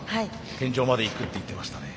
天井までいくって言ってましたね。